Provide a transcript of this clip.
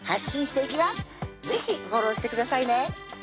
是非フォローしてくださいね